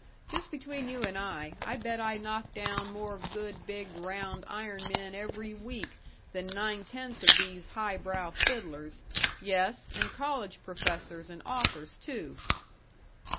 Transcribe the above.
Just between you and I, I bet I knock down more good, big, round, iron men every week than nine tenths of these high brow fiddlers yes, and college professors and authors, too!"